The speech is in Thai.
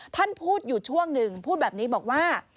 ท่านพูดอยู่ช่วงหนึ่งพูดแบบนี้บอกว่า